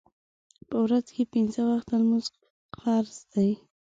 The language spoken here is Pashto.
په ورځ کې پینځه وخته لمونځ فرض دی.